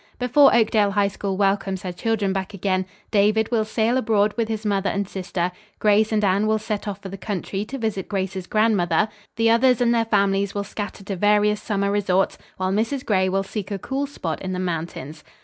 Before Oakdale High School welcomes her children back again, David will sail abroad with his mother and sister; Grace and Anne will set off for the country to visit Grace's grandmother; the others and their families will scatter to various summer resorts, while Mrs. Gray will seek a cool spot in the mountains.